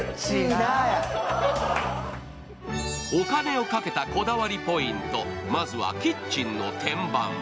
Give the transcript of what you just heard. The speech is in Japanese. お金をかけたこだわりポイント、まずはキッチンの天板。